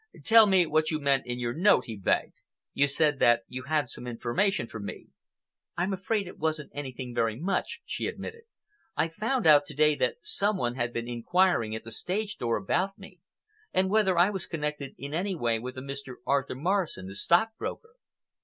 "Tell me what you meant in your note," he begged. "You said that you had some information for me. "I'm afraid it wasn't anything very much," she admitted. "I found out to day that some one had been inquiring at the stage door about me, and whether I was connected in any way with a Mr. Arthur Morrison, the stockbroker."